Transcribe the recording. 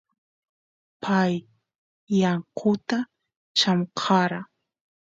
pay yakuta chamkara